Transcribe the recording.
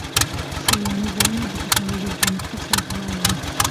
سیلاني ځایونه د تکنالوژۍ له پرمختګ سره تړاو لري.